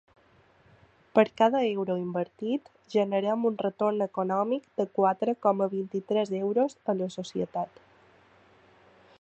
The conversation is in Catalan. Per cada euro invertit, generem un retorn econòmic de quatre coma vint-i-tres euros a la societat.